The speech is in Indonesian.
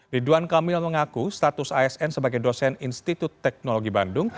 ridwan kamil mengaku status asn sebagai dosen institut teknologi bandung